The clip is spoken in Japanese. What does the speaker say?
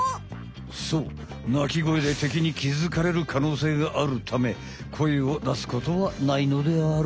そう鳴き声で敵に気づかれるかのうせいがあるため声を出すことはないのである。